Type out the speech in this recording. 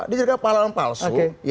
dia jadikan pahlawanan palsu